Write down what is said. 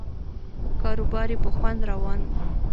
کاروبار یې په خوند روان و.